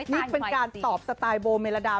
นี่เป็นการตอบสไตล์โบเมลาดา